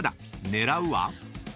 狙うは？］